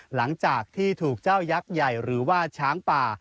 หลังจากที่ถูกเจ้ายักษ์ใหญ่หรือว่าช้างป่า